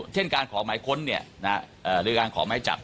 เช่นการขอหมายค้นหรือการขอหมายจับ